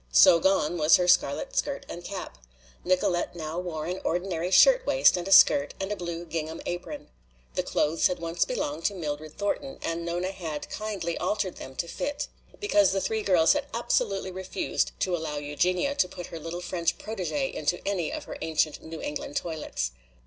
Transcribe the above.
So gone was her scarlet skirt and cap! Nicolete now wore an ordinary shirtwaist and skirt and a blue gingham apron. The clothes had once belonged to Mildred Thornton and Nona had kindly altered them to fit. Because the three girls had absolutely refused to allow Eugenia to put her little French protégé into any of her ancient New England toilets.